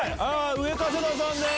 上加世田さんです。